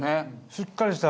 しっかりした。